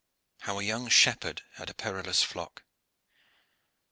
HOW A YOUNG SHEPHERD HAD A PERILOUS FLOCK.